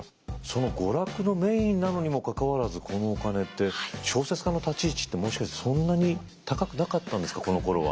その娯楽のメインなのにもかかわらずこのお金って小説家の立ち位置ってもしかしてそんなに高くなかったんですかこのころは。